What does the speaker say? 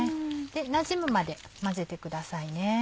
なじむまで混ぜてくださいね。